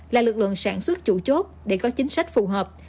là lực lượng sản xuất chủ chốt để có chính sách phù hợp